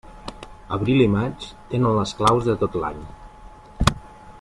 Abril i maig tenen les claus de tot l'any.